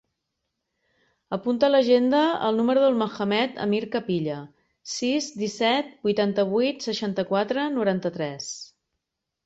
Apunta a l'agenda el número del Mohamed amir Capilla: sis, disset, vuitanta-vuit, seixanta-quatre, noranta-tres.